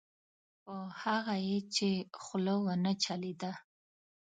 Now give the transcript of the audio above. په هغه یې چې خوله ونه چلېده.